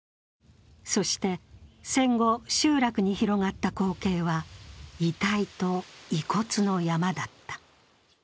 そして、戦後集落に広がった光景は遺体と遺骨の山だった。